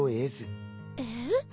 えっ？